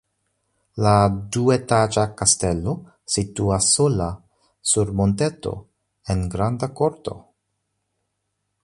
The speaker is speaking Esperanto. La duetaĝa kastelo situas sola sur monteto en granda korto.